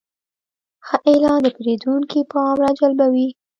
ښه اعلان د پیرودونکي پام راجلبوي.